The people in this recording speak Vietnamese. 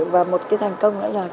và một cái thành công nữa là